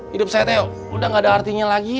hidup saya teok udah gak ada artinya lagi